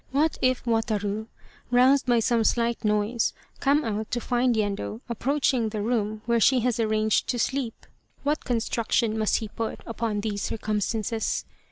What if Wataru, roused by some slight noise, come out to find Yendo approaching the room where she has arranged , to sleep ; what construction must he put upon these circumstances.